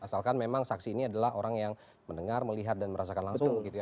asalkan memang saksi ini adalah orang yang mendengar melihat dan merasakan langsung gitu ya